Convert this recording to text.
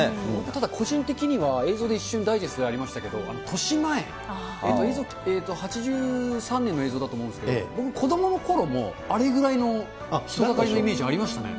ただ個人的には映像で一瞬ダイジェストでやりましたけれども、８３年のとしまえん、映像だと思うんですけど、僕、子どものころもあれぐらいの人だかりのイメージありましたね。